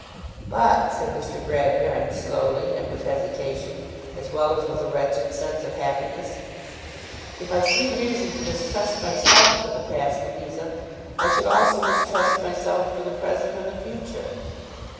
'But,' said Mr. Gradgrind, slowly, and with hesitation, as well as with a wretched sense of happiness, 'if I see reason to mistrust myself for the past, Louisa, I should also mistrust myself for the present and the future.